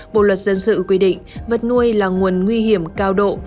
bộ luật dân sự quy định vật nuôi là nguồn nguy hiểm cao độ